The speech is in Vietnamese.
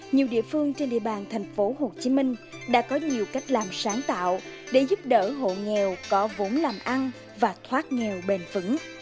nhiều địa phương trên địa bàn thành phố hồ chí minh đã có nhiều cách làm sáng tạo để giúp đỡ hộ nghèo có vốn làm ăn và thoát nghèo bền vững